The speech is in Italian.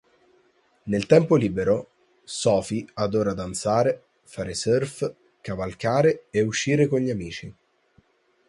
Nel tempo libero, Sophie adora danzare, fare surf, cavalcare e uscire con gli amici.